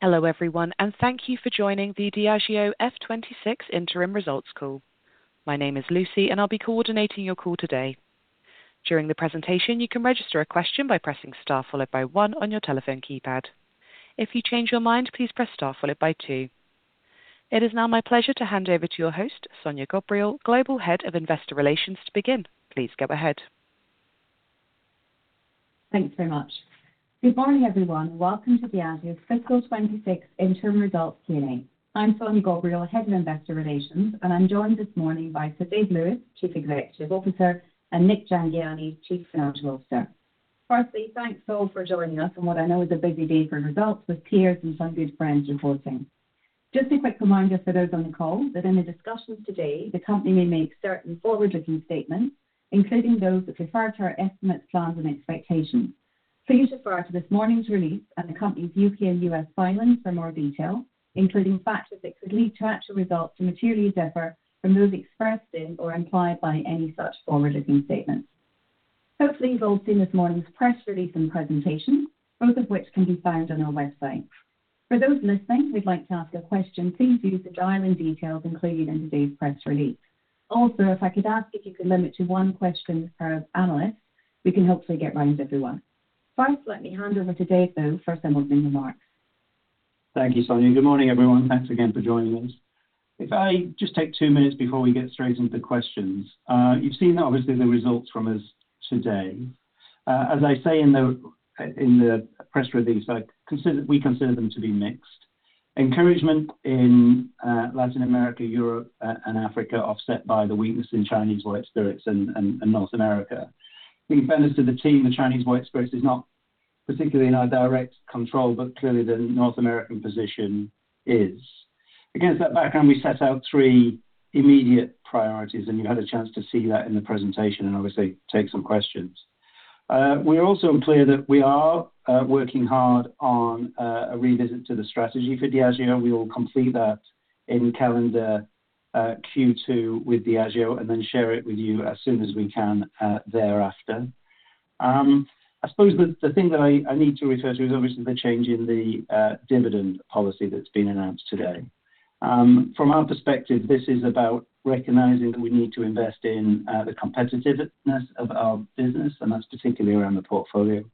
Hello, everyone, thank you for joining the Diageo F2026 Interim Results Call. My name is Lucy, and I'll be coordinating your call today. During the presentation, you can register a question by pressing star followed by one on your telephone keypad. If you change your mind, please press star followed by two. It is now my pleasure to hand over to your host, Sonya Ghobrial, Global Head of Investor Relations, to begin. Please go ahead. Thanks very much. Good morning, everyone. Welcome to Diageo's fiscal 2026 interim results Q&A. I'm Sonya Ghobrial, Head of Investor Relations. I'm joined this morning by Sir Dave Lewis, Chief Executive Officer, and Nik Jhangiani, Chief Financial Officer. Firstly, thanks all for joining us on what I know is a busy day for results, with peers and some good friends reporting. Just a quick reminder for those on the call that in the discussions today, the company may make certain forward-looking statements, including those that refer to our estimates, plans, and expectations. Please refer to this morning's release and the company's U.K. and U.S. filings for more detail, including factors that could lead to actual results to materially differ from those expressed in or implied by any such forward-looking statements. Hopefully, you've all seen this morning's press release and presentation, both of which can be found on our website. For those listening, who'd like to ask a question, please use the dialing details included in today's press release. If I could ask if you could limit to one question per analyst, we can hopefully get around to everyone. First, let me hand over to Dave, though, for some opening remarks. Thank you, Sonya. Good morning, everyone. Thanks again for joining us. If I just take two minutes before we get straight into the questions. You've seen, obviously, the results from us today. As I say in the press release, we consider them to be mixed. Encouragement in Latin America, Europe, and Africa, offset by the weakness in Chinese white spirits and North America. In fairness to the team, the Chinese white spirits is not particularly in our direct control, but clearly, the North American position is. Against that background, we set out three immediate priorities, and you had a chance to see that in the presentation and obviously take some questions. We're also clear that we are working hard on a revisit to the strategy for Diageo. We will complete that in calendar Q2 with Diageo and then share it with you as soon as we can thereafter. I suppose the thing that I need to refer to is obviously the change in the dividend policy that's been announced today. From our perspective, this is about recognizing that we need to invest in the competitiveness of our business, and that's particularly around the portfolio.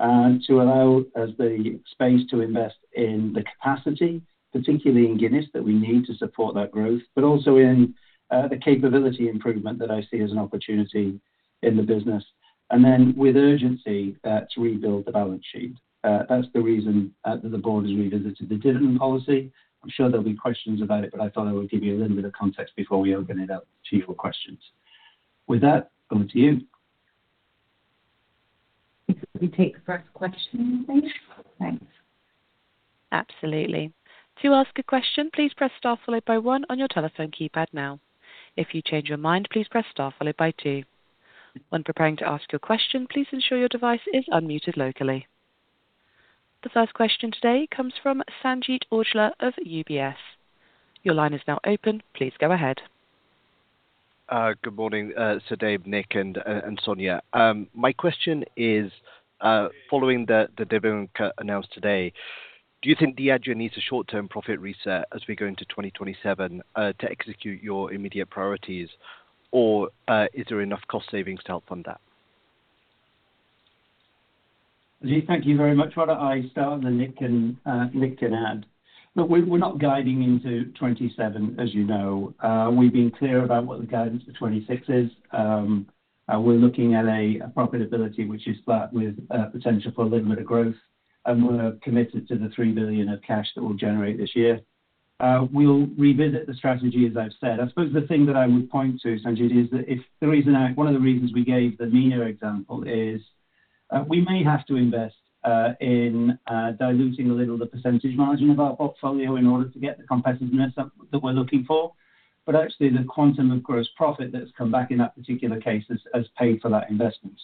To allow us the space to invest in the capacity, particularly in Guinness, that we need to support that growth, but also in the capability improvement that I see as an opportunity in the business. With urgency, to rebuild the balance sheet. That's the reason that the board has revisited the dividend policy. I'm sure there'll be questions about it, but I thought I would give you a little bit of context before we open it up to you for questions. With that, over to you. We take the first question, please? Thanks. Absolutely. To ask a question, please press star followed by one on your telephone keypad now. If you change your mind, please press star followed by two. When preparing to ask your question, please ensure your device is unmuted locally. The first question today comes from Sanjeet Aujla of UBS. Your line is now open. Please go ahead. Good morning, Sir Dave, Nik, and Sonya. My question is, following the dividend cut announced today, do you think Diageo needs a short-term profit reset as we go into 2027 to execute your immediate priorities, or is there enough cost savings to help fund that? Sanjeet, thank you very much. Why don't I start, and then Nik can add. Look, we're not guiding into 2027, as you know. We've been clear about what the guidance for 2026 is. We're looking at a profitability which is flat with potential for a little bit of growth, and we're committed to the 3 billion of cash that we'll generate this year. We'll revisit the strategy, as I've said. I suppose the thing that I would point to, Sanjeet, is that if the reason One of the reasons we gave the El Niño example is, we may have to invest in diluting a little, the percentage margin of our portfolio in order to get the competitiveness that we're looking for. Actually, the quantum of gross profit that's come back in that particular case has paid for that investment.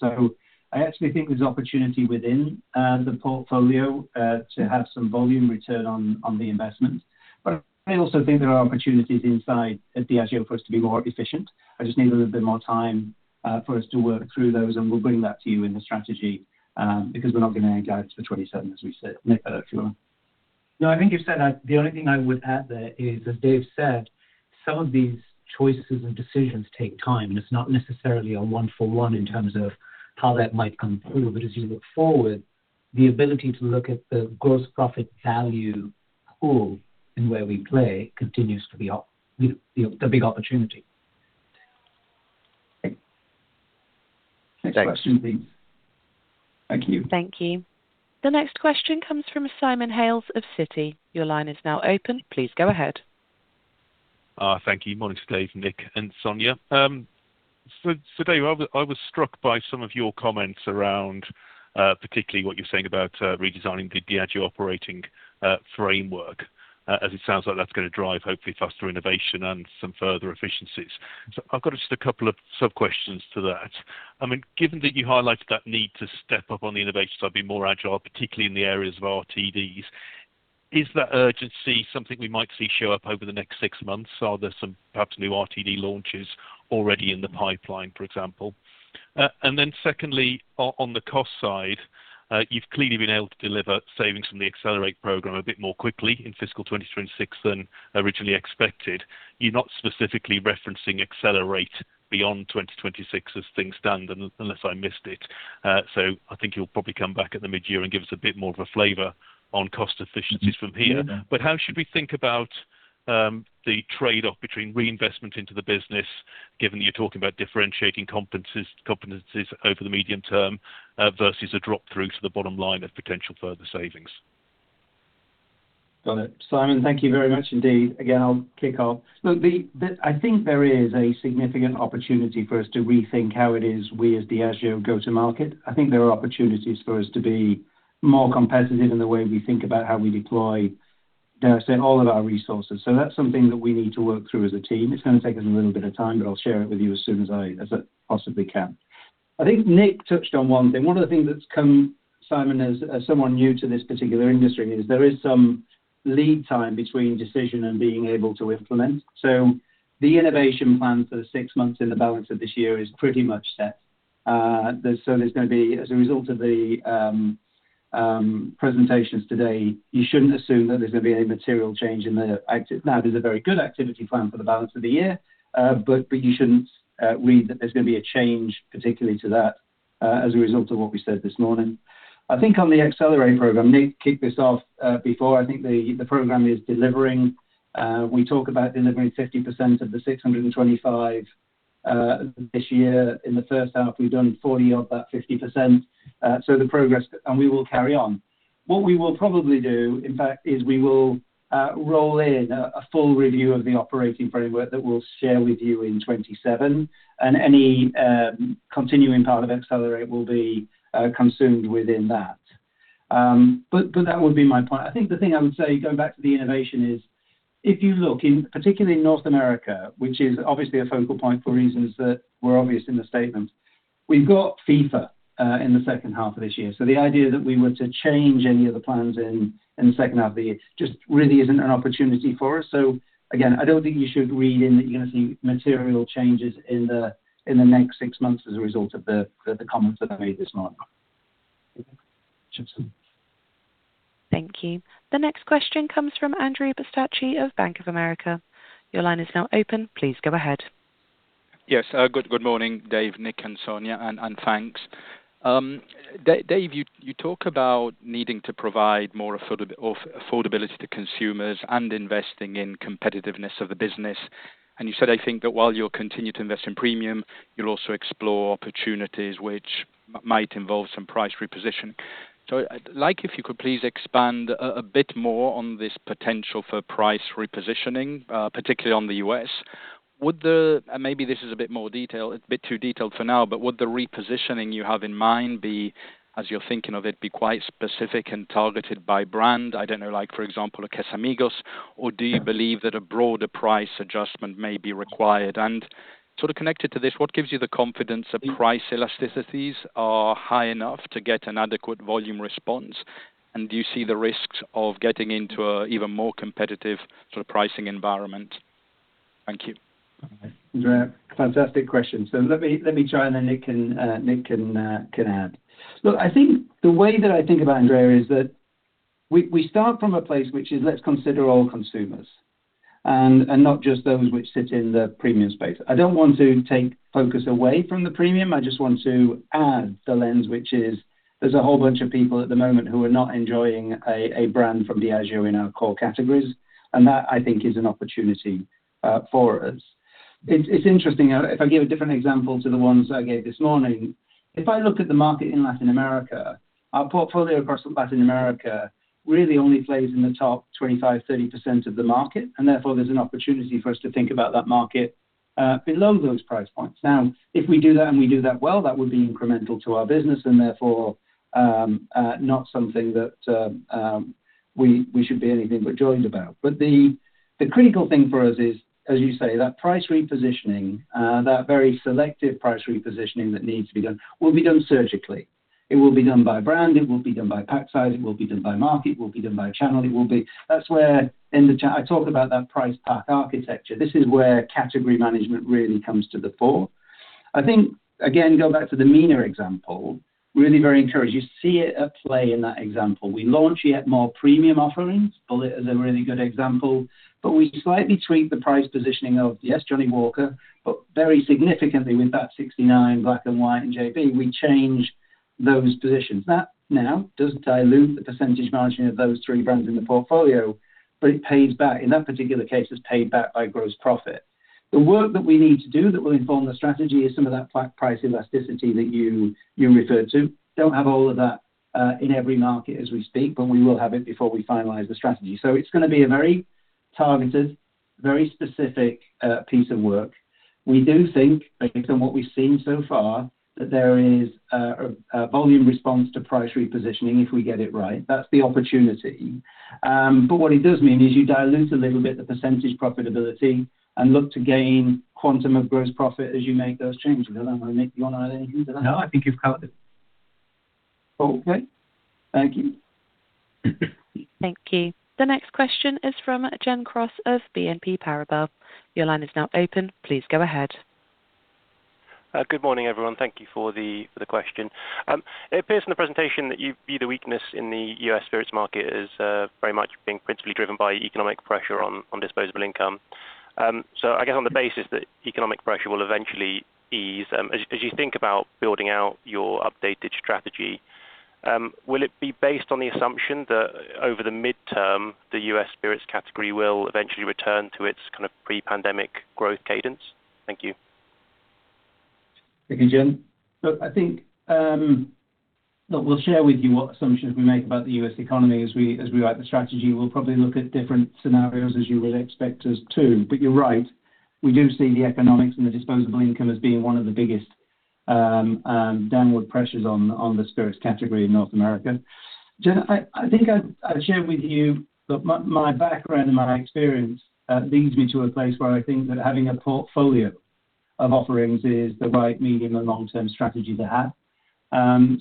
I actually think there's opportunity within the portfolio to have some volume return on the investment. I also think there are opportunities inside Diageo for us to be more efficient. I just need a little bit more time for us to work through those, and we'll bring that to you in the strategy because we're not going to add guidance for 2027, as we said. Nik, I'll let you on. No, I think you said that the only thing I would add there is, as Dave said, some of these choices and decisions take time, and it's not necessarily a one-for-one in terms of how that might come through. As you look forward, the ability to look at the gross profit value pool and where we play continues to be you know, the big opportunity. Thanks. Next question, please. Thank you. Thank you. The next question comes from Simon Hales of Citi. Your line is now open. Please go ahead. Thank you. Morning, Dave, Nik, and Sonya. Sir Dave, I was struck by some of your comments around particularly what you're saying about redesigning the Diageo operating framework as it sounds like that's gonna drive, hopefully, faster innovation and some further efficiencies. I've got just a couple of sub-questions to that. I mean, given that you highlighted that need to step up on the innovation side, be more agile, particularly in the areas of RTDs, is that urgency something we might see show up over the next six months? Are there some, perhaps, new RTD launches already in the pipeline, for example? Secondly, on the cost side, you've clearly been able to deliver savings from the Accelerate program a bit more quickly in fiscal 2026 than originally expected. You're not specifically referencing Accelerate beyond 2026 as things stand, unless I missed it. I think you'll probably come back at the midyear and give us a bit more of a flavor on cost efficiencies from here. Mm-hmm. How should we think about the trade-off between reinvestment into the business, given that you're talking about differentiating competencies over the medium term, versus a drop-through to the bottom line of potential further savings? Got it. Simon, thank you very much indeed. Again, I'll kick off. Look, I think there is a significant opportunity for us to rethink how it is we, as Diageo, go to market. I think there are opportunities for us to be more competitive in the way we think about how we deploy, dare I say, all of our resources. That's something that we need to work through as a team. It's going to take us a little bit of time, but I'll share it with you as soon as I possibly can. I think Nik touched on one thing. One of the things that's come, Simon, as someone new to this particular industry, is there is some lead time between decision and being able to implement. The innovation plan for the six months in the balance of this year is pretty much set. There's gonna be, as a result of the presentations today, you shouldn't assume that there's gonna be any material change. Now, there's a very good activity plan for the balance of the year, but you shouldn't read that there's gonna be a change, particularly to that, as a result of what we said this morning. I think on the Accelerate program, Nik kicked this off before. I think the program is delivering. We talk about delivering 50% of the 625 million this year. In the first half, we've done 40% of that 50%. The progress, and we will carry on. What we will probably do, in fact, is we will roll in a full review of the operating framework that we'll share with you in 2027, and any continuing part of Accelerate will be consumed within that. That would be my point. I think the thing I would say, going back to the innovation, is if you look in, particularly in North America, which is obviously a focal point for reasons that were obvious in the statement, we've got FIFA in the second half of this year. The idea that we were to change any of the plans in the second half of the year just really isn't an opportunity for us. Again, I don't think you should read in that you're gonna see material changes in the, in the next six months as a result of the, the comments that I made this morning. Thank you. The next question comes from Andrea Pistacchi of Bank of America. Your line is now open. Please go ahead. Good, good morning, Dave, Nik, and Sonya, and thanks. Dave, you talk about needing to provide more affordability to consumers and investing in competitiveness of the business, and you said, I think that while you'll continue to invest in premium, you'll also explore opportunities which might involve some price repositioning. I'd like if you could please expand a bit more on this potential for price repositioning, particularly on the U.S. Would the, and maybe this is a bit more detail, a bit too detailed for now, but would the repositioning you have in mind be, as you're thinking of it, be quite specific and targeted by brand? I don't know, like, for example, Casamigos, or do you believe that a broader price adjustment may be required? Sort of connected to this, what gives you the confidence that price elasticities are high enough to get an adequate volume response? Do you see the risks of getting into a even more competitive sort of pricing environment? Thank you. Andrea, fantastic question. Let me try, and then Nik can add. Look, I think the way that I think about it, Andrea, is that we start from a place which is, let's consider all consumers and not just those which sit in the premium space. I don't want to take focus away from the premium. I just want to add the lens, which is there's a whole bunch of people at the moment who are not enjoying a brand from Diageo in our core categories, and that, I think, is an opportunity for us. It's interesting. If I give a different example to the ones I gave this morning, if I look at the market in Latin America, our portfolio across Latin America really only plays in the top 25%, 30% of the market, and therefore, there's an opportunity for us to think about that market below those price points. Now, if we do that and we do that well, that would be incremental to our business and therefore, not something that we should be anything but joined about. The critical thing for us is, as you say, that price repositioning, that very selective price repositioning that needs to be done will be done surgically. It will be done by brand, it will be done by pack size, it will be done by market, it will be done by channel. That's where I talked about that price pack architecture. This is where category management really comes to the fore. I think, again, go back to the MENA example, really very encouraged. You see it at play in that example. We launch yet more premium offerings, Bulleit is a really good example, but we slightly tweak the price positioning of, yes, Johnnie Walker, but very significantly with Vat 69, Black & White and J&B, we change those positions. That now doesn't dilute the percentage margin of those three brands in the portfolio, but it pays back. In that particular case, it's paid back by gross profit. The work that we need to do that will inform the strategy is some of that price elasticity that you referred to. Don't have all of that in every market as we speak, but we will have it before we finalize the strategy. It's gonna be a very targeted, very specific piece of work. We do think, I think from what we've seen so far, that there is a volume response to price repositioning if we get it right. That's the opportunity. What it does mean is you dilute a little bit the percentage profitability and look to gain quantum of gross profit as you make those changes. I don't know, Nik, you want to add anything to that? No, I think you've covered it. Okay. Thank you. Thank you. The next question is from Gen Cross of BNP Paribas. Your line is now open. Please go ahead. Good morning, everyone. Thank you for the question. It appears in the presentation that you view the weakness in the U.S. spirits market as very much being principally driven by economic pressure on disposable income. I guess on the basis that economic pressure will eventually ease, as you think about building out your updated strategy, will it be based on the assumption that over the midterm, the U.S. spirits category will eventually return to its kind of pre-pandemic growth cadence? Thank you. Thank you, Gen. Look, I think, look, we'll share with you what assumptions we make about the U.S. economy as we write the strategy. We'll probably look at different scenarios as you would expect us to. You're right, we do see the economics and the disposable income as being one of the biggest downward pressures on the spirits category in North America. Gen, I think I've shared with you that my background and my experience leads me to a place where I think that having a portfolio of offerings is the right medium and long-term strategy to have.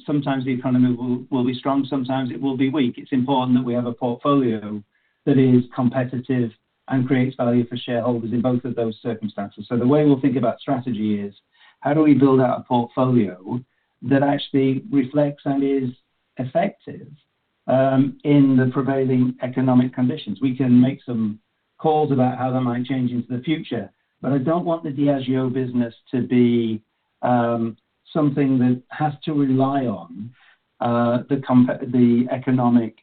Sometimes the economy will be strong, sometimes it will be weak. It's important that we have a portfolio that is competitive and creates value for shareholders in both of those circumstances. The way we'll think about strategy is: How do we build out a portfolio that actually reflects and is effective in the prevailing economic conditions? We can make some calls about how they might change into the future, but I don't want the Diageo business to be something that has to rely on the economic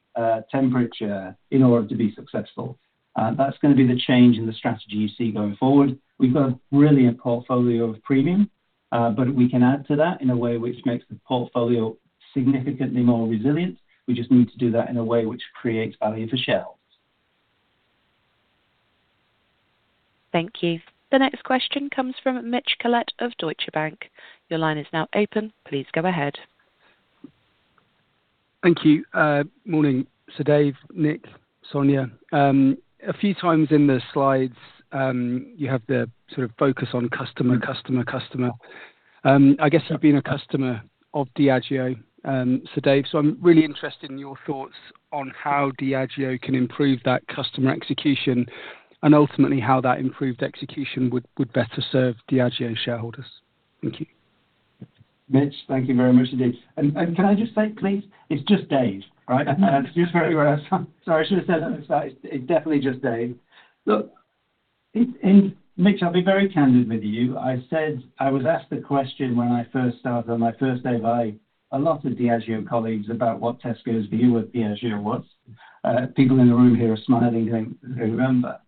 temperature in order to be successful. That's gonna be the change in the strategy you see going forward. We've got a brilliant portfolio of premium, but we can add to that in a way which makes the portfolio significantly more resilient. We just need to do that in a way which creates value for shareholders. Thank you. The next question comes from Mitch Collett of Deutsche Bank. Your line is now open. Please go ahead. Thank you. Morning, Sir Dave, Nik, Sonya. A few times in the slides, you have the sort of focus on customer, customer. I guess I've been a customer of Diageo, Sir Dave, so I'm really interested in your thoughts on how Diageo can improve that customer execution, and ultimately, how that improved execution would better serve Diageo shareholders. Thank you. Mitch, thank you very much indeed. Can I just say, please, it's just Dave, all right? Sorry, I should have said that. It's definitely just Dave. Look, Mitch, I'll be very candid with you. I said I was asked a question when I first started, on my first day, by a lot of Diageo colleagues about what Tesco's view of Diageo was. People in the room here are smiling, going, I remember.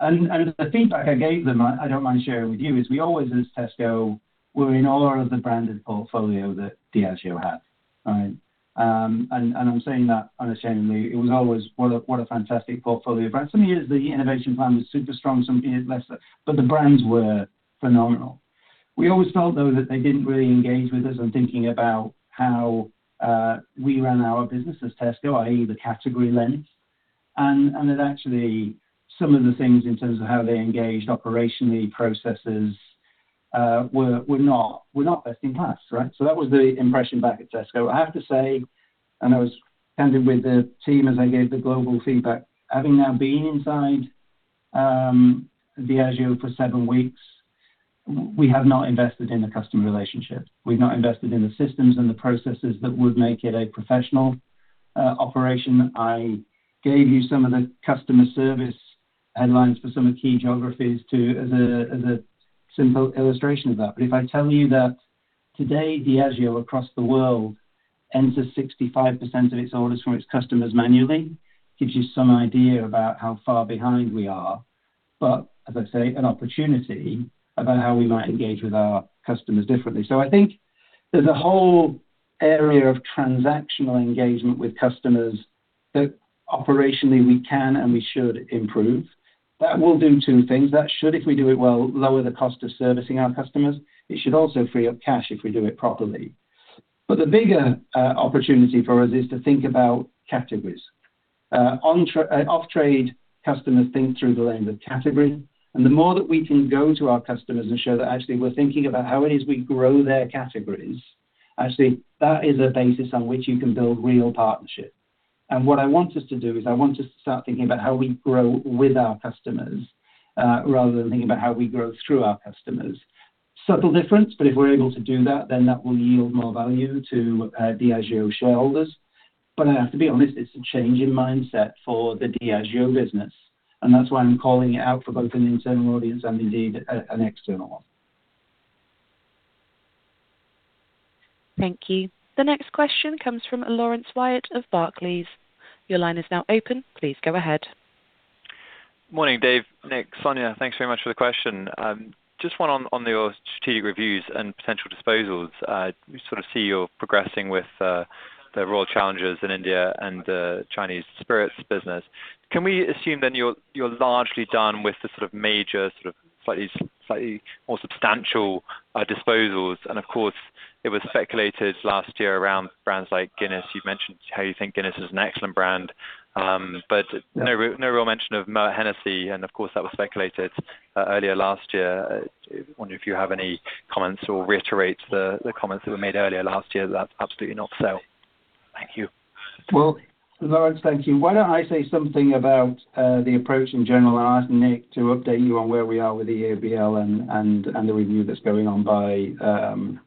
The feedback I gave them, I don't mind sharing with you, is we always, as Tesco, we're in awe of the branded portfolio that Diageo had, all right? I'm saying that unashamedly. It was always what a fantastic portfolio. Some years, the innovation plan was super strong, some years lesser, but the brands were phenomenal. We always felt, though, that they didn't really engage with us in thinking about how we ran our business as Tesco, i.e., the category lens. And that actually, some of the things in terms of how they engaged operationally, processes were not best in class, right? That was the impression back at Tesco. I have to say, and I was candid with the team as I gave the global feedback, having now been inside Diageo for seven weeks, we have not invested in the customer relationship. We've not invested in the systems and the processes that would make it a professional operation. I gave you some of the customer service headlines for some of the key geographies, too, as a simple illustration of that. If I tell you that today, Diageo, across the world, enters 65% of its orders from its customers manually, gives you some idea about how far behind we are. As I say, an opportunity about how we might engage with our customers differently. I think there's a whole area of transactional engagement with customers that operationally we can and we should improve. That will do two things. That should, if we do it well, lower the cost of servicing our customers. It should also free up cash if we do it properly. The bigger opportunity for us is to think about categories. On trade, off trade, customers think through the lens of category, and the more that we can go to our customers and show that actually we're thinking about how it is we grow their categories, actually, that is a basis on which you can build real partnership. What I want us to do is I want us to start thinking about how we grow with our customers, rather than thinking about how we grow through our customers. Subtle difference, if we're able to do that, then that will yield more value to Diageo shareholders. I have to be honest, it's a change in mindset for the Diageo business, and that's why I'm calling it out for both an internal audience and indeed, an external one. Thank you. The next question comes from Laurence Whyatt of Barclays. Your line is now open. Please go ahead. Morning, Dave, Nik, Sonia. Thanks very much for the question. Just one on your strategic reviews and potential disposals. We sort of see you're progressing with the Royal Challengers in India and the Chinese spirits business. Can we assume then you're largely done with the sort of major, sort of slightly more substantial disposals? Of course, it was speculated last year around brands like Guinness. You've mentioned how you think Guinness is an excellent brand, but no real mention of Hennessy, and of course, that was speculated earlier last year. Wonder if you have any comments or reiterate the comments that were made earlier last year, that's absolutely not for sale? Thank you. Well, Laurence, thank you. Why don't I say something about the approach in general, and ask Nik to update you on where we are with the EABL and the review that's going on by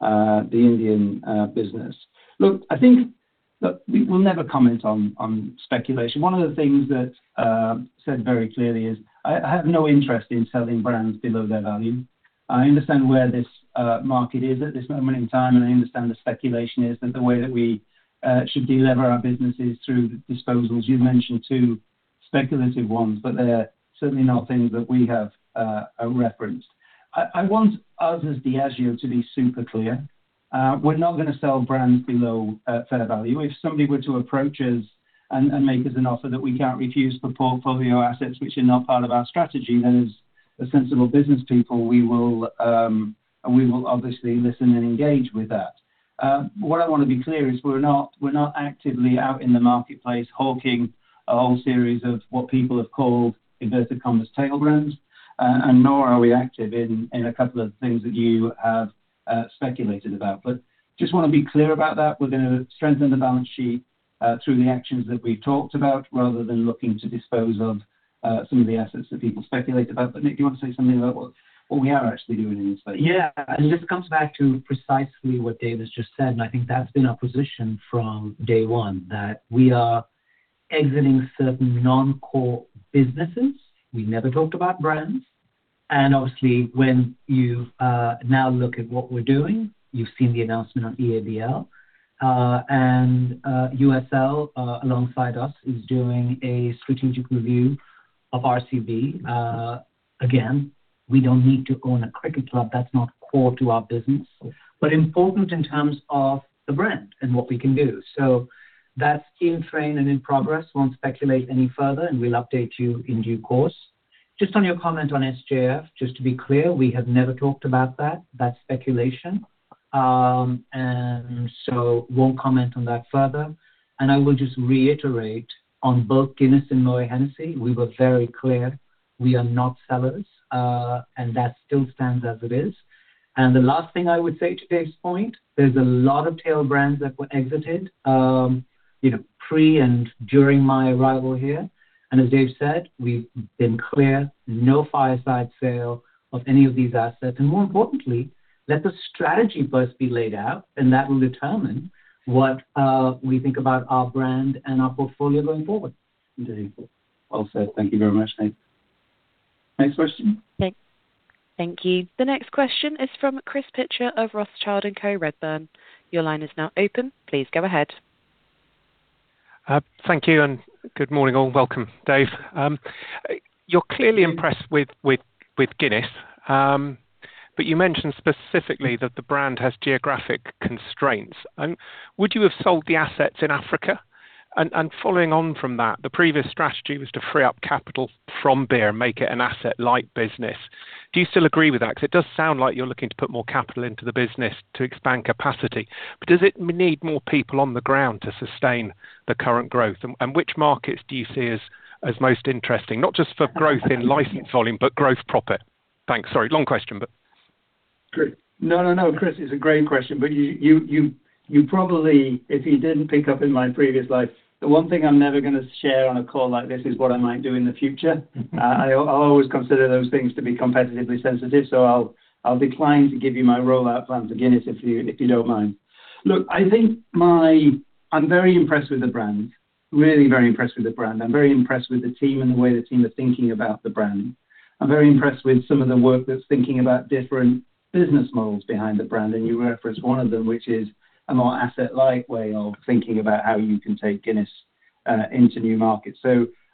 the Indian business? Look, I think that we will never comment on speculation. One of the things that said very clearly is, I have no interest in selling brands below their value. I understand where this market is at this moment in time, and I understand the speculation is, and the way that we should delever our businesses through disposals. You've mentioned two speculative ones, but they're certainly not things that we have referenced. I want us as Diageo to be super clear. We're not gonna sell brands below fair value. If somebody were to approach us and make us an offer that we can't refuse for portfolio assets, which are not part of our strategy, then as sensible businesspeople, we will obviously listen and engage with that. What I want to be clear is we're not actively out in the marketplace hawking a whole series of what people have called inverted commas, tail brands, and nor are we active in a couple of things that you have speculated about. Just want to be clear about that. We're gonna strengthen the balance sheet through the actions that we've talked about, rather than looking to dispose of some of the assets that people speculate about. Nik, do you want to say something about what we are actually doing in this space? Yeah. This comes back to precisely what Dave has just said, and I think that's been our position from day one, that we are exiting certain non-core businesses. We never talked about brands. Obviously, when you now look at what we're doing, you've seen the announcement on EABL, and USL, alongside us, is doing a strategic review of RCB. Again, we don't need to own a cricket club, that's not core to our business, but important in terms of the brand and what we can do. That's in train and in progress. Won't speculate any further, and we'll update you in due course. Just on your comment on SGF, just to be clear, we have never talked about that. That's speculation, won't comment on that further. I will just reiterate on both Guinness and Moët Hennessy, we were very clear, we are not sellers, and that still stands as it is. The last thing I would say to Dave's point, there's a lot of tail brands that were exited, you know, pre and during my arrival here, and as Dave said, we've been clear, no fireside sale of any of these assets. More importantly, let the strategy first be laid out, and that will determine what we think about our brand and our portfolio going forward. Very well said. Thank you very much, Nik. Next question. Thank you. The next question is from Chris Pitcher of Rothschild & Co Redburn. Your line is now open. Please go ahead. Thank you, and good morning, all. Welcome, Dave. You're clearly impressed with Guinness, but you mentioned specifically that the brand has geographic constraints. Would you have sold the assets in Africa? Following on from that, the previous strategy was to free up capital from beer and make it an asset like business. Do you still agree with that? It does sound like you're looking to put more capital into the business to expand capacity. Does it need more people on the ground to sustain the current growth? Which markets do you see as most interesting, not just for growth in license volume, but growth profit? Thanks. Sorry, long question. Great. No, Chris, it's a great question, but you probably, if you didn't pick up in my previous life, the one thing I'm never gonna share on a call like this is what I might do in the future. Mm-hmm. I always consider those things to be competitively sensitive, so I'll decline to give you my rollout plans again, if you don't mind. Look, I think I'm very impressed with the brand. Really very impressed with the brand. I'm very impressed with the team and the way the team are thinking about the brand. I'm very impressed with some of the work that's thinking about different business models behind the brand, and you referenced one of them, which is a more asset-light way of thinking about how you can take Guinness into new markets.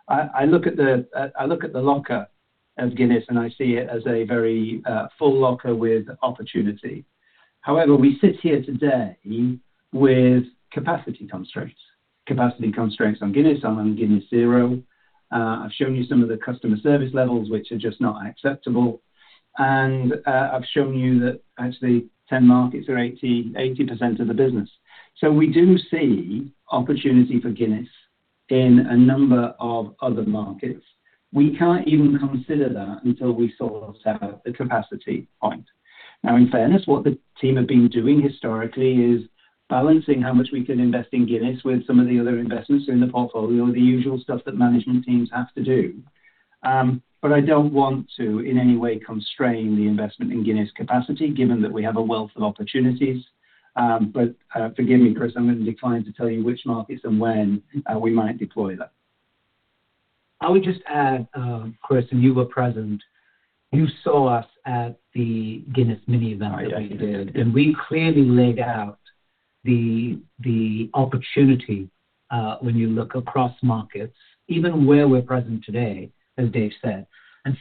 I look at the, I look at the locker as Guinness, and I see it as a very full locker with opportunity. However, we sit here today with capacity constraints. Capacity constraints on Guinness, and on Guinness 0.0. I've shown you some of the customer service levels, which are just not acceptable. I've shown you that actually 10 markets are 80% of the business. We do see opportunity for Guinness in a number of other markets. We can't even consider that until we sort out the capacity point. Now, in fairness, what the team have been doing historically is balancing how much we can invest in Guinness with some of the other investments in the portfolio, the usual stuff that management teams have to do. I don't want to, in any way, constrain the investment in Guinness capacity, given that we have a wealth of opportunities. Forgive me, Chris, I'm going to decline to tell you which markets and when, we might deploy that. I would just add, Chris, and you were present. You saw us at the Guinness mini event that we did- I did.... we clearly laid out the opportunity, when you look across markets, even where we're present today, as Dave said.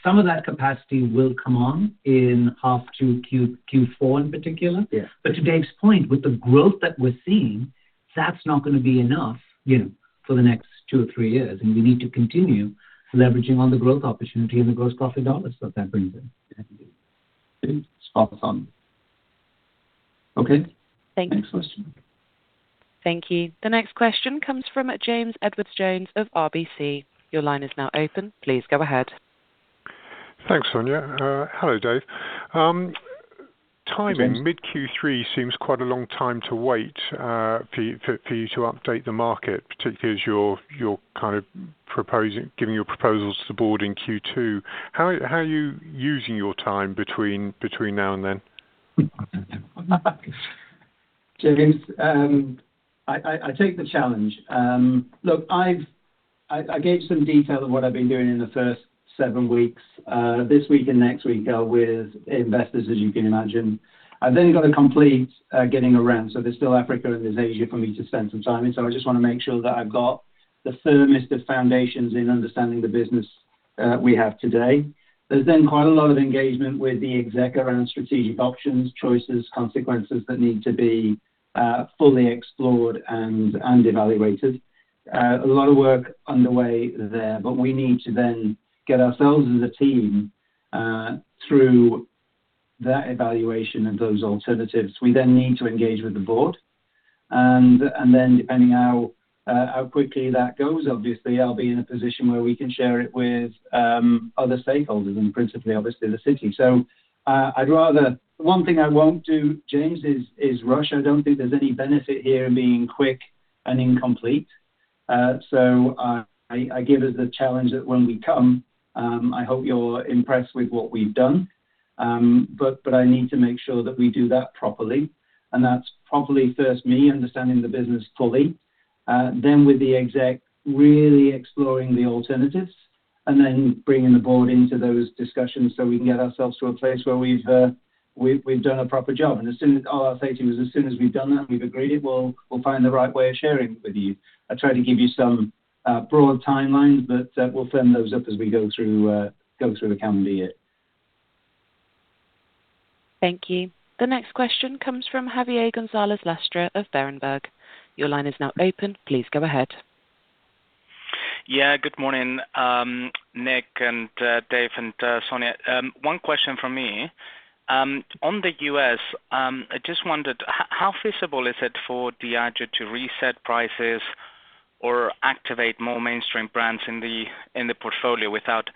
Some of that capacity will come on in half two, Q4 in particular. Yeah. To Dave's point, with the growth that we're seeing, that's not gonna be enough, you know, for the next two or three years, and we need to continue leveraging on the growth opportunity and the gross profit dollars that brings in. Spot on. Okay. Thank you. Next question. Thank you. The next question comes from James Edwardes Jones of RBC. Your line is now open. Please go ahead. Thanks, Sonya. Hello, Dave. Timing, mid Q3 seems quite a long time to wait for you to update the market, particularly as you're kind of proposing, giving your proposals to the board in Q2. How are you using your time between now and then? James, I take the challenge. Look, I've gave some detail of what I've been doing in the first seven weeks. This week and next week are with investors, as you can imagine. I've then got a complete getting around, so there's still Africa and there's Asia for me to spend some time in. I just want to make sure that I've got the firmest of foundations in understanding the business we have today. There's then quite a lot of engagement with the exec around strategic options, choices, consequences that need to be fully explored and evaluated. A lot of work underway there. We need to then get ourselves as a team through that evaluation and those alternatives. We then need to engage with the board, and then depending how quickly that goes, obviously, I'll be in a position where we can share it with other stakeholders, and principally, obviously, the city. I'd rather. One thing I won't do, James, is rush. I don't think there's any benefit here in being quick and incomplete. I give it the challenge that when we come, I hope you're impressed with what we've done. I need to make sure that we do that properly, and that's properly, first, me understanding the business fully, then with the exec, really exploring the alternatives, and then bringing the board into those discussions so we can get ourselves to a place where we've done a proper job. As soon as all I'll say to you is, as soon as we've done that, we've agreed it, we'll find the right way of sharing it with you. I'll try to give you some broad timelines, but we'll firm those up as we go through, go through the calendar year. Thank you. The next question comes from Javier Gonzalez Lastra of Berenberg. Your line is now open. Please go ahead. Good morning, Nik and Dave, and Sonya. One question from me. On the U.S., I just wondered, how feasible is it for Diageo to reset prices or activate more mainstream brands in the portfolio without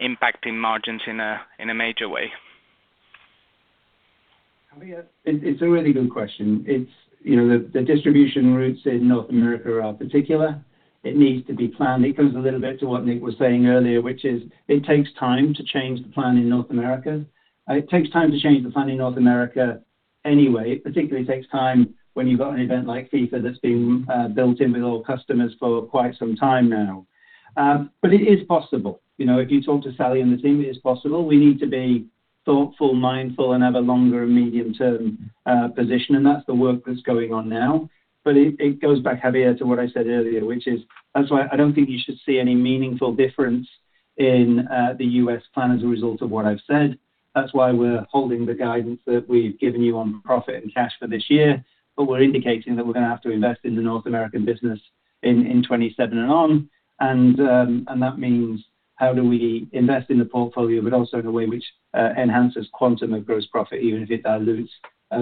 impacting margins in a major way? It's a really good question. It's, you know, the distribution routes in North America are particular. It needs to be planned. It goes a little bit to what Nik was saying earlier, which is it takes time to change the plan in North America. It takes time to change the plan in North America anyway. It particularly takes time when you've got an event like FIFA that's been built in with all customers for quite some time now. It is possible. You know, if you talk to Sally and the team, it is possible. We need to be thoughtful, mindful, and have a longer and medium-term position, and that's the work that's going on now. It goes back, Javier, to what I said earlier, which is that's why I don't think you should see any meaningful difference in the U.S. plan as a result of what I've said. That's why we're holding the guidance that we've given you on profit and cash for this year, but we're indicating that we're gonna have to invest in the North American business in 2027 and on. That means how do we invest in the portfolio, but also in a way which enhances quantum of gross profit, even if it dilutes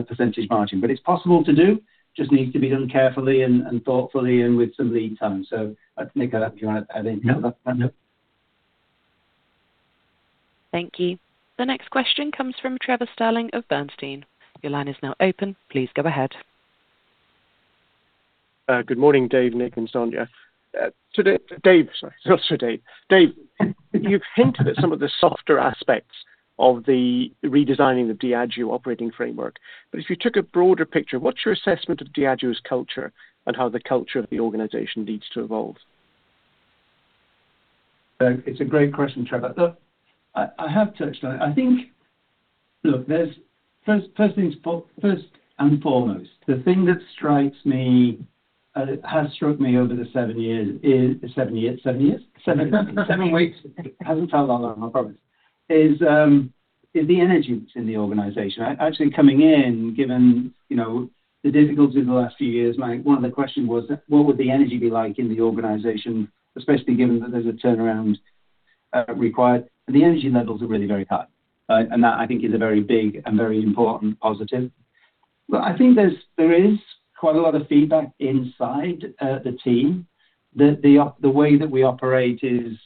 percentage margin. It's possible to do, just needs to be done carefully and thoughtfully and with some lead time. Nik, do you want to add in to that? No. Thank you. The next question comes from Trevor Stirling of Bernstein. Your line is now open. Please go ahead. Good morning, Dave, Nik, and Sonya. Dave, you've hinted at some of the softer aspects of the redesigning of Diageo operating framework, but if you took a broader picture, what's your assessment of Diageo's culture and how the culture of the organization needs to evolve? It's a great question, Trevor. Look, I have touched on it. I think. Look, there's first things first and foremost, the thing that strikes me, has struck me over the seven years. Seven years, seven years? Seven weeks. It hasn't felt that long, I promise, is the energy in the organization. Actually, coming in, given, you know, the difficulties in the last few years, my, one of the question was, what would the energy be like in the organization, especially given that there's a turnaround required? The energy levels are really very high, and that, I think, is a very big and very important positive. I think there's, there is quite a lot of feedback inside the team, that the way that we operate is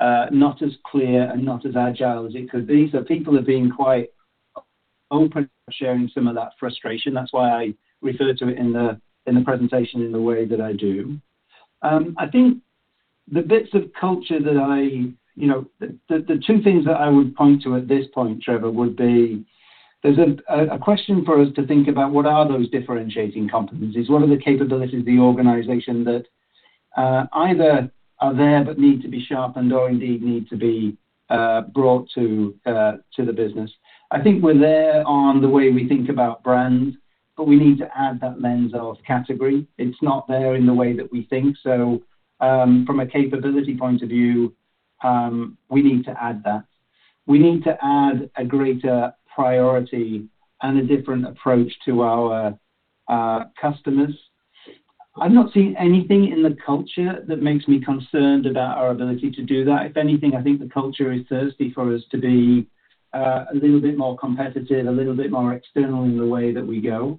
not as clear and not as agile as it could be. People are being quite open to sharing some of that frustration. That's why I refer to it in the presentation in the way that I do. I think the bits of culture that I, you know, the two things that I would point to at this point, Trevor, would be, there's a question for us to think about: What are those differentiating competencies? What are the capabilities of the organization that either are there but need to be sharpened or indeed need to be brought to the business? I think we're there on the way we think about brand. We need to add that lens of category. It's not there in the way that we think. From a capability point of view, we need to add that. We need to add a greater priority and a different approach to our customers. I'm not seeing anything in the culture that makes me concerned about our ability to do that. If anything, I think the culture is thirsty for us to be a little bit more competitive, a little bit more external in the way that we go.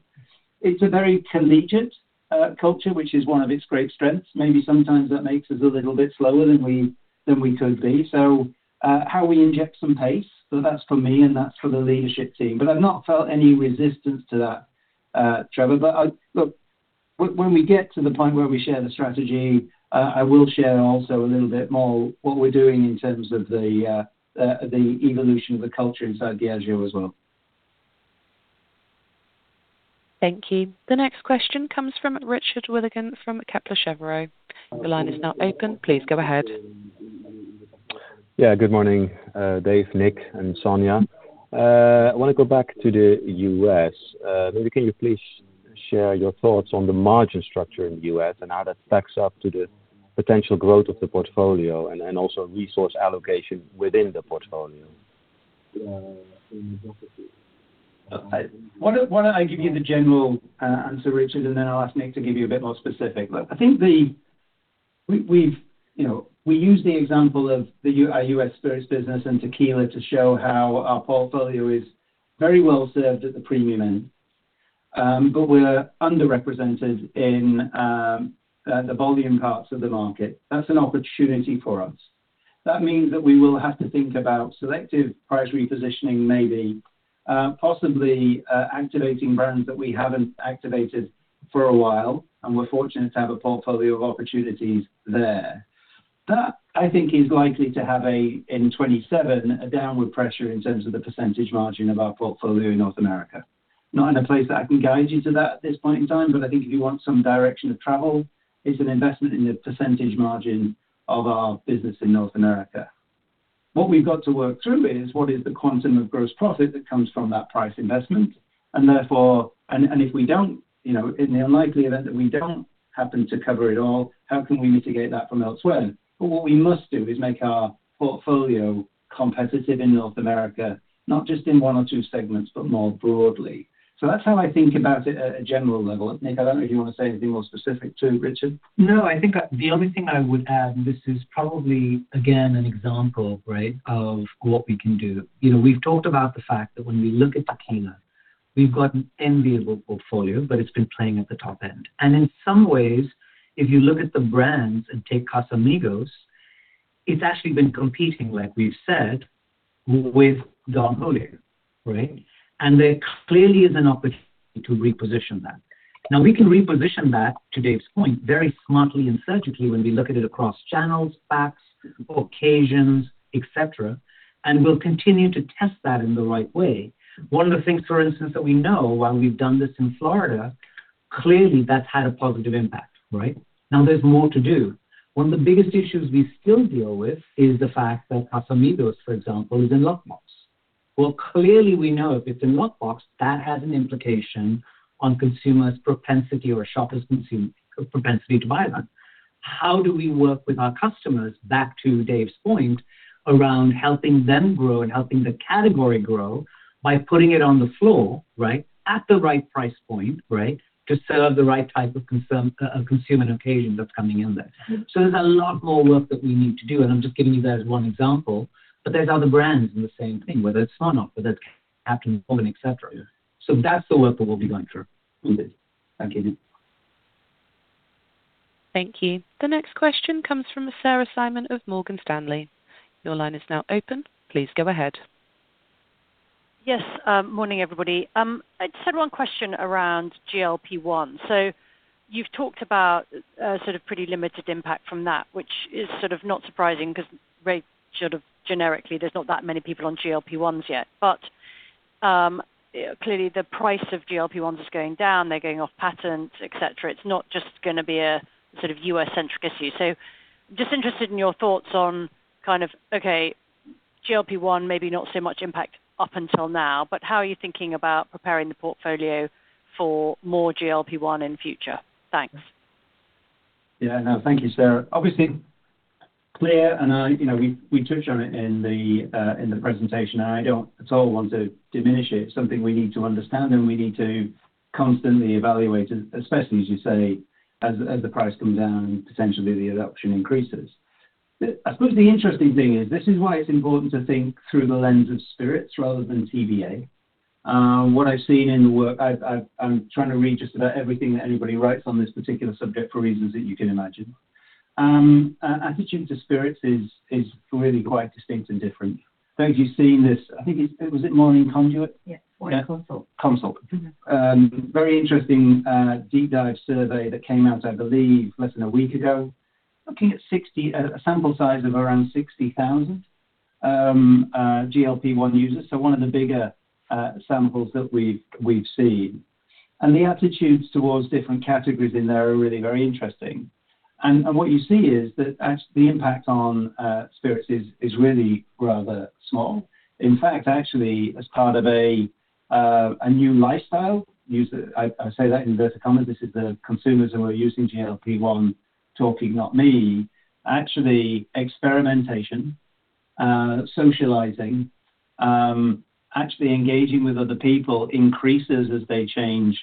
It's a very collegiate culture, which is one of its great strengths. Maybe sometimes that makes us a little bit slower than we could be. How we inject some pace, so that's for me, and that's for the leadership team. I've not felt any resistance to that, Trevor. Look, when we get to the point where we share the strategy, I will share also a little bit more what we're doing in terms of the evolution of the culture inside Diageo as well. Thank you. The next question comes from Richard Withagen from Kepler Cheuvreux. Your line is now open. Please go ahead. Good morning, Dave, Nik, and Sonia. I want to go back to the U.S. Maybe can you please share your thoughts on the margin structure in the U.S. and how that stacks up to the potential growth of the portfolio and also resource allocation within the portfolio? Why don't I give you the general answer, Richard, and then I'll ask Nik to give you a bit more specific. Look, I think we've, you know, we use the example of our U.S. Spirits business and tequila to show how our portfolio is very well served at the premium end, but we're underrepresented in the volume parts of the market. That's an opportunity for us. That means that we will have to think about selective price repositioning, maybe, possibly, activating brands that we haven't activated for a while, and we're fortunate to have a portfolio of opportunities there. That, I think, is likely to have a, in 2027, a downward pressure in terms of the percentage margin of our portfolio in North America. Not in a place that I can guide you to that at this point in time, but I think if you want some direction of travel, it's an investment in the percentage margin of our business in North America. What we've got to work through is, what is the quantum of gross profit that comes from that price investment? Therefore, if we don't, you know, in the unlikely event that we don't happen to cover it all, how can we mitigate that from elsewhere? What we must do is make our portfolio competitive in North America, not just in one or two segments, but more broadly. That's how I think about it at a general level. Nik, I don't know if you want to say anything more specific to Richard. No, I think the only thing I would add. This is probably, again, an example, right, of what we can do. You know, we've talked about the fact that when we look at tequila, we've got an enviable portfolio, but it's been playing at the top end. In some ways, if you look at the brands and take Casamigos, it's actually been competing, like we've said, with Don Julio, right? There clearly is an opportunity to reposition that. Now, we can reposition that, to Dave's point, very smartly and surgically when we look at it across channels, facts, occasions, et cetera, and we'll continue to test that in the right way. One of the things, for instance, that we know, while we've done this in Florida, clearly, that's had a positive impact, right? Now there's more to do. One of the biggest issues we still deal with is the fact that Casamigos, for example, is in lockbox. Well, clearly, we know if it's in lockbox, that has an implication on consumers' propensity or shoppers' propensity to buy that. How do we work with our customers, back to Dave's point, around helping them grow and helping the category grow by putting it on the floor, right? At the right price point, right? To serve the right type of consumer and occasion that's coming in there. There's a lot more work that we need to do, and I'm just giving you that as one example, but there's other brands in the same thing, whether it's Smirnoff, whether it's Captain Morgan, et cetera. That's the work that we'll be going through. Mm-hmm. Thank you. Thank you. The next question comes from Sarah Simon of Morgan Stanley. Your line is now open. Please go ahead. Yes, morning, everybody. I just had one question around GLP-1. You've talked about a sort of pretty limited impact from that, which is sort of not surprising, because very sort of generically, there's not that many people on GLP-1s yet. Clearly, the price of GLP-1 is going down, they're going off patent, et cetera. It's not just gonna be a sort of U.S.-centric issue. Just interested in your thoughts on kind of, okay, GLP-1, maybe not so much impact up until now, but how are you thinking about preparing the portfolio for more GLP-1 in future? Thanks. No, thank you, Sarah. Obviously, clear, and, you know, we touched on it in the presentation, and I don't at all want to diminish it. It's something we need to understand, and we need to constantly evaluate, especially, as you say, as the price comes down, potentially the adoption increases. I suppose the interesting thing is, this is why it's important to think through the lens of spirits rather than TBA. What I've seen in the work, I'm trying to read just about everything that anybody writes on this particular subject for reasons that you can imagine. Attitude to spirits is really quite distinct and different. Now, you've seen this, I think, was it Morning Consult? Yes. Yeah. Consult. Consult. Mm-hmm. Very interesting deep dive survey that came out, I believe, less than a week ago. Looking at 60, a sample size of around 60,000 GLP-1 users, so one of the bigger samples that we've seen. The attitudes towards different categories in there are really very interesting. What you see is that actually, the impact on spirits is really rather small. In fact, actually, as part of a new lifestyle user... I say that in inverted commas, this is the consumers who are using GLP-1 talking, not me. Actually, experimentation, socializing, actually engaging with other people increases as they change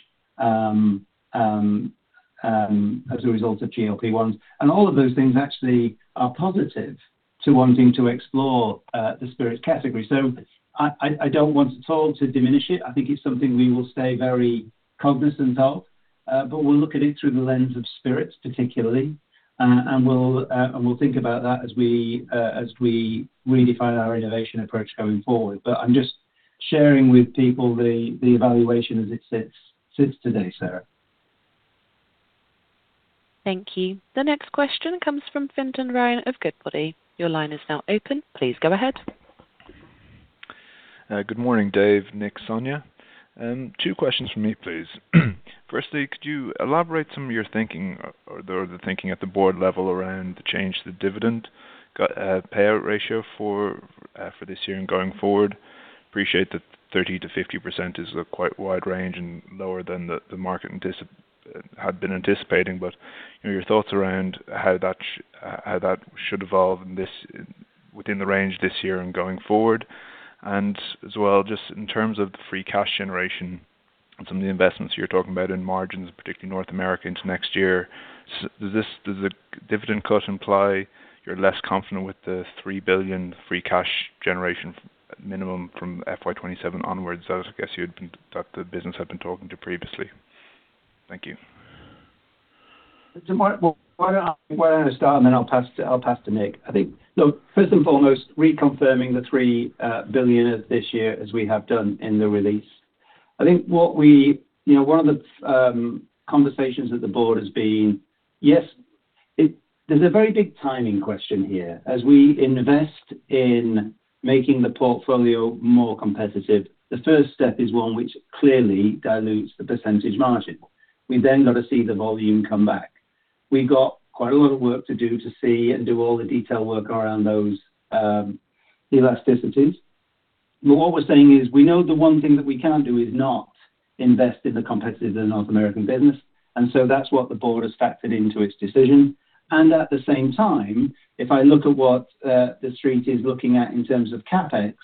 as a result of GLP-1s. All of those things actually are positive to wanting to explore the spirits category. I don't want at all to diminish it. I think it's something we will stay very cognizant of, but we'll look at it through the lens of spirits, particularly. And we'll think about that as we redefine our innovation approach going forward. I'm just sharing with people the evaluation as it sits today, Sarah. Thank you. The next question comes from Fintan Ryan of Goodbody. Your line is now open. Please go ahead. Good morning, Dave, Nik, Sonya. Two questions from me, please. Firstly, could you elaborate some of your thinking or the thinking at the board level around the change to the dividend payout ratio for this year and going forward? Appreciate that 30%-50% is a quite wide range and lower than the market had been anticipating, but, you know, your thoughts around how that should evolve in this, within the range this year and going forward. As well, just in terms of the free cash generation and some of the investments you're talking about in margins, particularly North America into next year, does the dividend cut imply you're less confident with the $3 billion free cash generation minimum from FY 2027 onwards? That was, I guess, that the business I've been talking to previously. Thank you. Why, well, why don't I start, and then I'll pass to Nik. I think, look, first and foremost, reconfirming the $3 billion this year, as we have done in the release. I think what we, you know, one of the conversations that the board has been, there's a very big timing question here. As we invest in making the portfolio more competitive, the first step is one which clearly dilutes the percentage margin. We've then got to see the volume come back. We've got quite a lot of work to do to see and do all the detail work around those elasticities. What we're saying is, we know the one thing that we can do is not invest in the competitive North American business, that's what the board has factored into its decision. At the same time, if I look at what the street is looking at in terms of CapEx,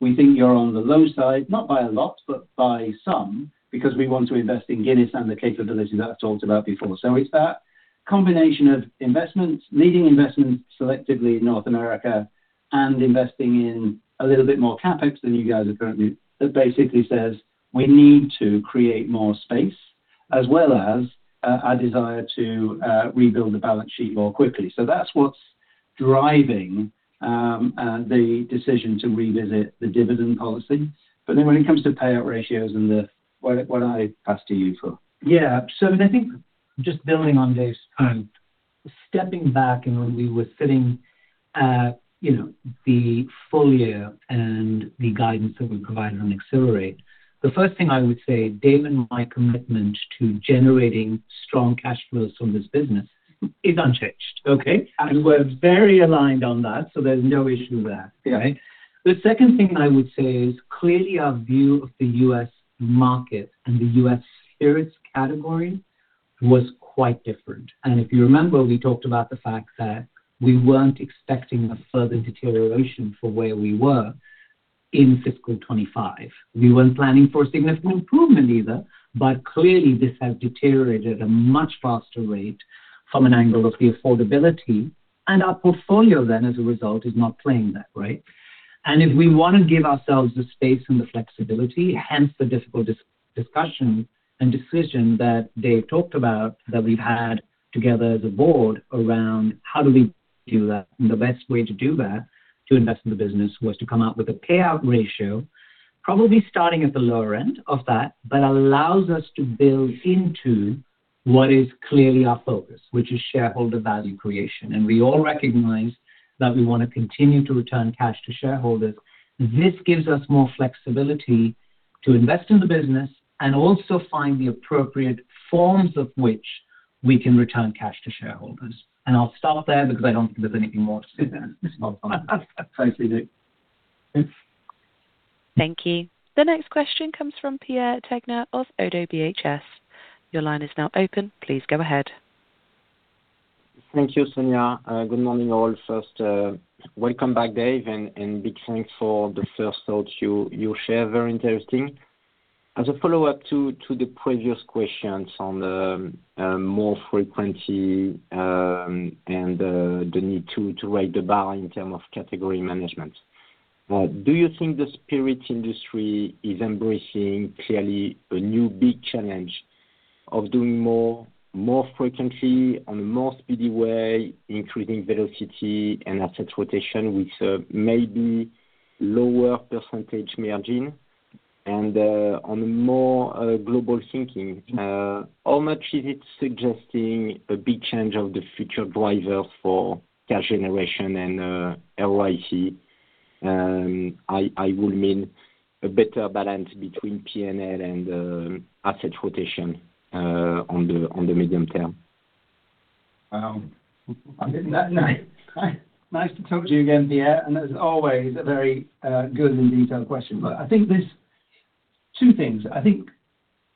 we think you're on the low side, not by a lot, but by some, because we want to invest in Guinness and the capabilities that I've talked about before. It's that combination of investments, needing investments selectively in North America and investing in a little bit more CapEx than you guys are currently, that basically says we need to create more space, as well as a desire to rebuild the balance sheet more quickly. That's what's driving the decision to revisit the dividend policy. When it comes to payout ratios, why don't I pass to you, Nik? Yeah. I think just building on Dave's point, stepping back and when we were sitting at, you know, the full year and the guidance that we provided on Accelerate, the first thing I would say, Dave, and my commitment to generating strong cash flows from this business is unchanged, okay? We're very aligned on that, so there's no issue there. Yeah. Right? The second thing I would say is, clearly, our view of the U.S. market and the U.S. spirits category was quite different. If you remember, we talked about the fact that we weren't expecting a further deterioration for where we were in fiscal 2025. We weren't planning for a significant improvement either, but clearly, this has deteriorated at a much faster rate from an angle of the affordability, and our portfolio then, as a result, is not playing that, right? If we wanna give ourselves the space and the flexibility, hence the difficult discussion and decision that Dave talked about, that we've had together as a board around how do we do that? The best way to do that, to invest in the business, was to come out with a payout ratio, probably starting at the lower end of that, but allows us to build into what is clearly our focus, which is shareholder value creation. We all recognize that we wanna continue to return cash to shareholders. This gives us more flexibility to invest in the business and also find the appropriate forms of which we can return cash to shareholders. I'll stop there because I don't think there's anything more to say there. Totally agree. Thank you. The next question comes from Pierre Tegnér of Oddo BHF. Your line is now open. Please go ahead. Thank you, Sonya. Good morning, all. First, welcome back, Dave, and big thanks for the first thoughts you share. Very interesting. As a follow-up to the previous questions on the more frequency, and the need to raise the bar in term of category management. Do you think the spirit industry is embracing clearly a new big challenge of doing more frequency on a more speedy way, increasing velocity and asset rotation, which may be lower percentage margin? On a more global thinking, how much is it suggesting a big change of the future driver for cash generation and ROIC? I would mean a better balance between P&L and asset rotation on the medium term? Nice to talk to you again, Pierre, and as always, a very good and detailed question. I think there's two things. I think,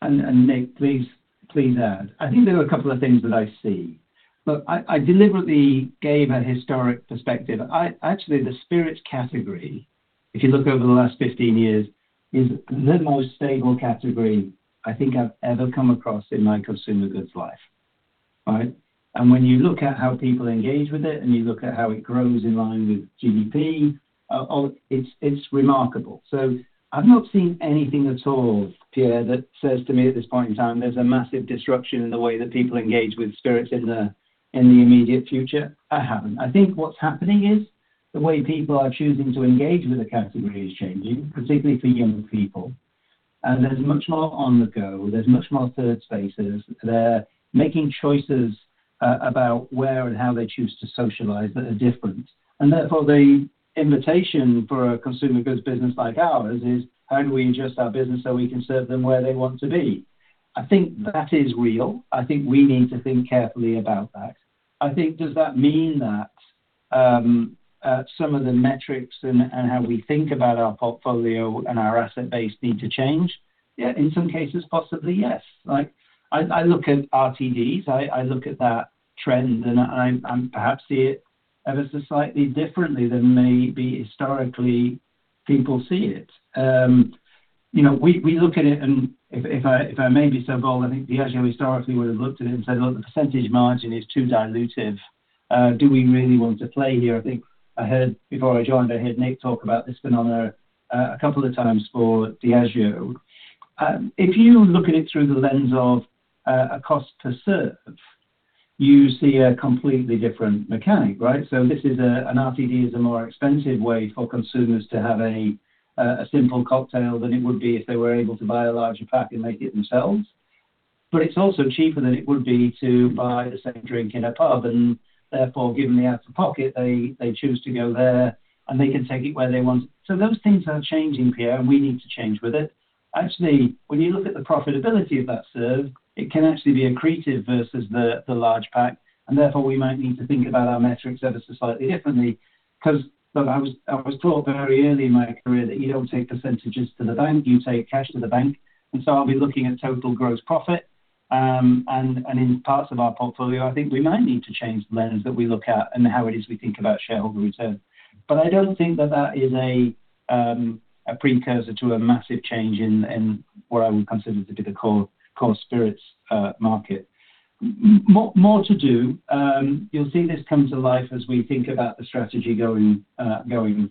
and Nik, please add. I think there are a couple of things that I see. Look, I deliberately gave a historic perspective. Actually, the spirits category, if you look over the last 15 years, is the most stable category I think I've ever come across in my consumer goods life. Right? When you look at how people engage with it, and you look at how it grows in line with GDP, it's remarkable. I've not seen anything at all, Pierre, that says to me at this point in time, there's a massive disruption in the way that people engage with spirits in the, in the immediate future. I haven't. I think what's happening is, the way people are choosing to engage with the category is changing, particularly for younger people. There's much more on the go, there's much more third spaces. They're making choices about where and how they choose to socialize that are different. Therefore, the invitation for a consumer goods business like ours is, how do we adjust our business so we can serve them where they want to be. I think that is real. I think we need to think carefully about that. I think, does that mean that some of the metrics and how we think about our portfolio and our asset base need to change? Yeah, in some cases, possibly, yes. Like, I look at RTDs, I look at that trend, and I perhaps see it ever so slightly differently than maybe historically people see it. You know, we look at it, if I may be so bold, I think Diageo historically would have looked at it and said, "Well, the percentage margin is too dilutive. Do we really want to play here?" I think I heard, before I joined, I heard Nik talk about this phenomenon a couple of times for Diageo. If you look at it through the lens of a cost to serve, you see a completely different mechanic, right? This is an RTD is a more expensive way for consumers to have a simple cocktail than it would be if they were able to buy a larger pack and make it themselves. It's also cheaper than it would be to buy the same drink in a pub, and therefore, given the out-of-pocket, they choose to go there, and they can take it where they want. Those things are changing, Pierre, and we need to change with it. Actually, when you look at the profitability of that serve, it can actually be accretive versus the large pack, and therefore, we might need to think about our metrics ever so slightly differently. 'Cause, look, I was taught very early in my career that you don't take percentages to the bank, you take cash to the bank. I'll be looking at total gross profit, and in parts of our portfolio, I think we might need to change the lens that we look at and how it is we think about shareholder return. I don't think that that is a precursor to a massive change in what I would consider to be the core spirits market. More to do, you'll see this come to life as we think about the strategy going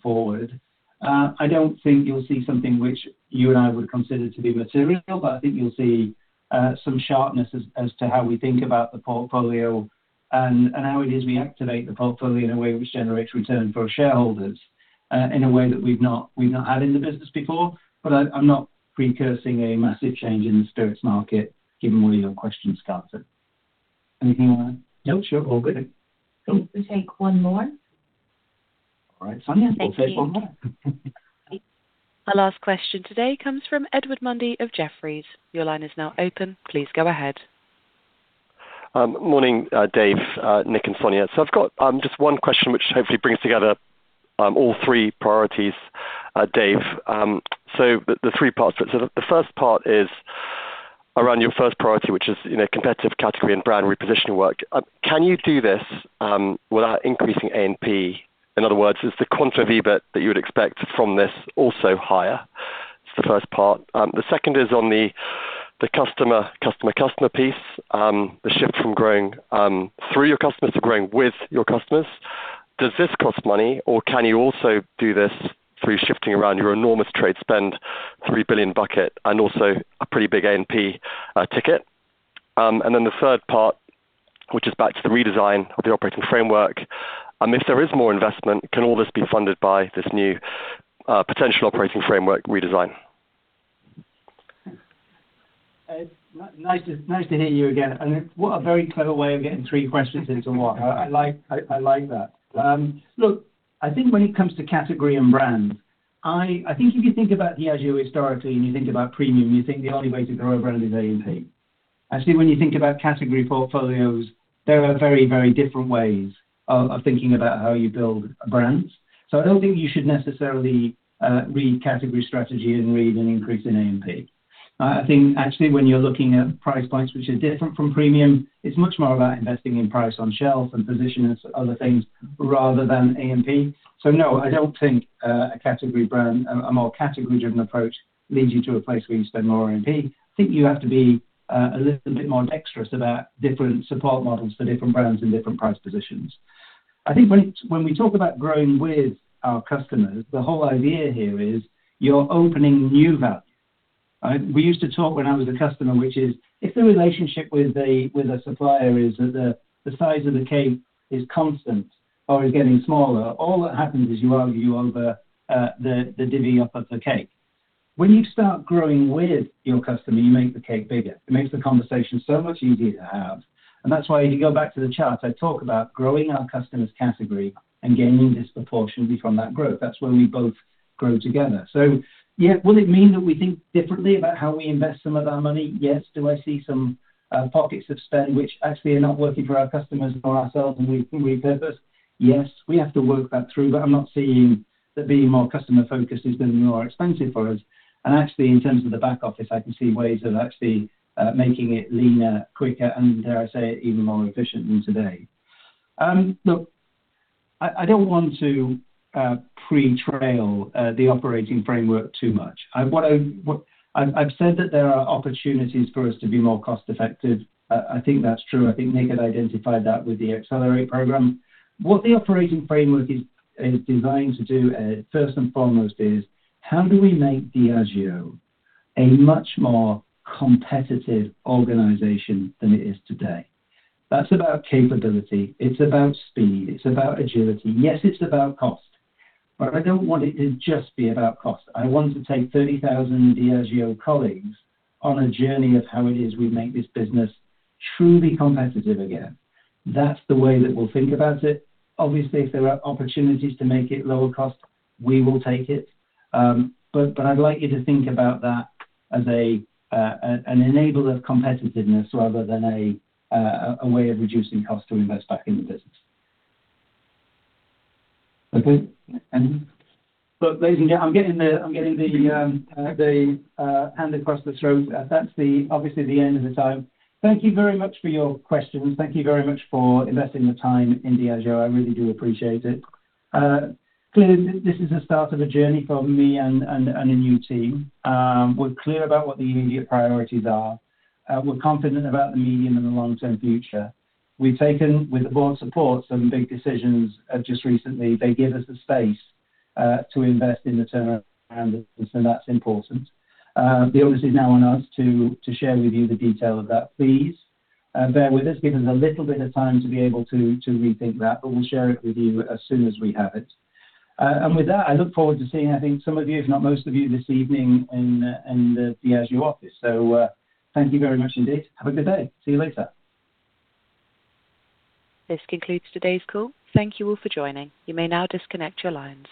forward. I don't think you'll see something which you and I would consider to be material, but I think you'll see some sharpness as to how we think about the portfolio and how it is we activate the portfolio in a way which generates return for our shareholders, in a way that we've not, we've not had in the business before. I'm not precursing a massive change in the spirits market, given the way your question started. Anything you want to add? No, sure. All good. Cool. We'll take one more. All right, Sonya, we'll take one more. Our last question today comes from Edward Mundy of Jefferies. Your line is now open. Please go ahead. Morning, Dave, Nik, and Sonya. I've got just one question which hopefully brings together all three priorities. Dave, the three parts. The first part is around your first priority, which is, you know, competitive category and brand repositioning work. Can you do this without increasing A&P? In other words, is the quantum EBIT that you would expect from this also higher? It's the first part. The second is on the customer piece, the shift from growing through your customers to growing with your customers. Does this cost money, or can you also do this through shifting around your enormous trade spend, 3 billion bucket, and also a pretty big A&P ticket? The third part, which is back to the redesign of the operating framework, and if there is more investment, can all this be funded by this new, potential operating framework redesign? Ed, nice to hear you again. What a very clever way of getting three questions into one. I like that. Look, I think when it comes to category and brand, I think if you think about Diageo historically, you think about premium, you think the only way to grow a brand is A&P. Actually, when you think about category portfolios, there are very different ways of thinking about how you build brands. I don't think you should necessarily read category strategy and read an increase in A&P. I think actually, when you're looking at price points, which are different from premium, it's much more about investing in price on shelf and position as other things rather than A&P. No, I don't think a category brand, a more category-driven approach leads you to a place where you spend more on A&P. I think you have to be a little bit more dexterous about different support models for different brands and different price positions. I think when we talk about growing with our customers, the whole idea here is you're opening new value, right? We used to talk when I was a customer, which is, if the relationship with a supplier is at the size of the cake is constant or is getting smaller, all that happens is you argue over the divvying up of the cake. When you start growing with your customer, you make the cake bigger. It makes the conversation so much easier to have. That's why if you go back to the chart, I talk about growing our customers' category and gaining disproportionately from that growth. That's where we both grow together. Yeah, will it mean that we think differently about how we invest some of our money? Yes. Do I see some pockets of spend which actually are not working for our customers or ourselves, and we purpose? Yes, we have to work that through, but I'm not seeing that being more customer-focused is going to be more expensive for us. Actually, in terms of the back office, I can see ways of actually making it leaner, quicker, and dare I say, even more efficient than today. Look, I don't want to pre-trail the operating framework too much. I've said that there are opportunities for us to be more cost-effective. I think that's true. I think Nik had identified that with the Accelerate program. What the operating framework is designed to do, first and foremost is, how do we make Diageo a much more competitive organization than it is today? That's about capability, it's about speed, it's about agility. Yes, it's about cost, but I don't want it to just be about cost. I want to take 30,000 Diageo colleagues on a journey of how it is we make this business truly competitive again. That's the way that we'll think about it. Obviously, if there are opportunities to make it lower cost, we will take it. I'd like you to think about that as an enabler of competitiveness rather than a way of reducing costs to invest back in the business. Okay, look, ladies and gents, I'm getting the hand across the throat. That's the obviously the end of the time. Thank you very much for your questions. Thank you very much for investing the time in Diageo. I really do appreciate it. Clearly, this is the start of a journey for me and a new team. We're clear about what the immediate priorities are. We're confident about the medium and the long-term future. We've taken, with the board's support, some big decisions just recently. They give us the space to invest in the turnaround, that's important. The onus is now on us to share with you the detail of that. Please bear with us. Give us a little bit of time to be able to rethink that, but we'll share it with you as soon as we have it. With that, I look forward to seeing, I think, some of you, if not most of you, this evening in the Diageo office. Thank you very much indeed. Have a good day. See you later. This concludes today's call. Thank you all for joining. You may now disconnect your lines.